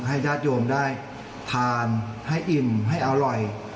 ญาติโยมได้ทานให้อิ่มให้อร่อย